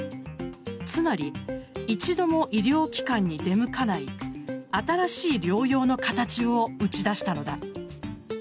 つまり一度も医療機関に出向かない新しい療養の形を打ち出したのだ。